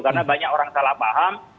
karena banyak orang salah paham